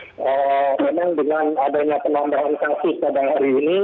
memang dengan adanya penambaharikasi pada hari ini